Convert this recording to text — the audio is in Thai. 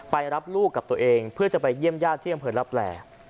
ไปรับลูกกับตัวเองเพื่อจะไปเยี่ยมย่านที่อำเผอร์รับแหล